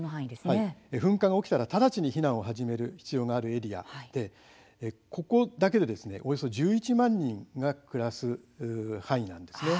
噴火が起きたら直ちに避難を始める必要があるエリアでここだけでおよそ１１万人が暮らす範囲なんです。